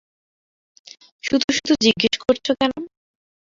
শুধু-শুধু জিজ্ঞেস করছ, কেন?